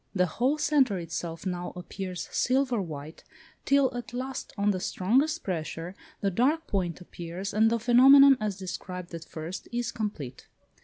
The whole centre itself now appears silver white, till at last, on the strongest pressure, the dark point appears, and the phenomenon, as described at first, is complete.